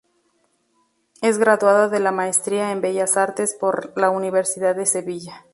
Es graduada de la maestría en Bellas Artes por la Universidad de Sevilla.